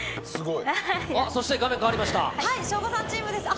省吾さんチームです。